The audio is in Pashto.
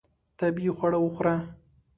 طبیعي خواړه وخوره.